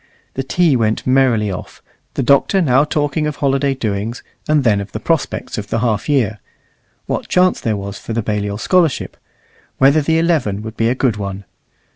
The tea went merrily off, the Doctor now talking of holiday doings, and then of the prospects of the half year what chance there was for the Balliol scholarship, whether the eleven would be a good one.